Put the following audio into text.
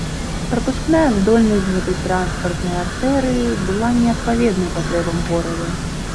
Прапускная здольнасць гэтай транспартнай артэрыі была неадпаведнай патрэбам горада.